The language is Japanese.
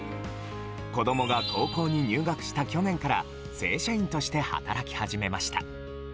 子供が高校に入学した去年から正社員として働き始めました。